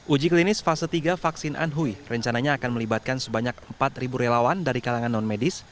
uji klinis fase tiga vaksin anhui rencananya akan melibatkan sebanyak empat relawan dari kalangan non medis